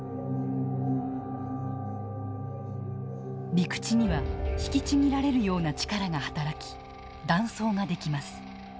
陸地には引きちぎられるような力が働き断層が出来ます。